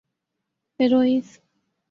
فیروئیز